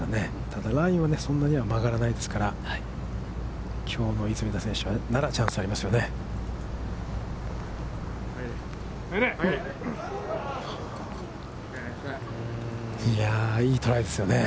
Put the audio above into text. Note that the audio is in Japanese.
ただ、ラインはそんなには曲がらないですから、きょうの出水田選手ならチャンスはありますよね。